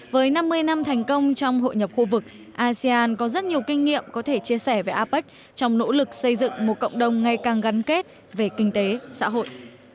với năm mươi năm thành công trong hội nhập khu vực asean có rất nhiều kinh nghiệm có thể chia sẻ về apec trong nỗ lực xây dựng một cộng đồng ngày càng gắn kết về kinh tế xã hội